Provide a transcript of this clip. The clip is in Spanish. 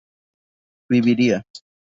viviría